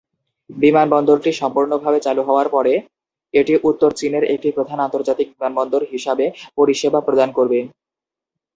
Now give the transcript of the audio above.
বিমানবন্দরটি সম্পূর্ণ ভাবে চালু হওয়ার পরে, এটি উত্তর চীনের একটি প্রধান আন্তর্জাতিক বিমানবন্দর হিসাবে পরিষেবা প্রদান করবে।